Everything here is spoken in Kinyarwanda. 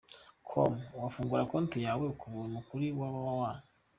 com , wafungura konti yawe kubuntu kuri www.